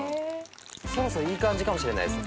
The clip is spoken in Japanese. そろそろいい感じかもしれないです。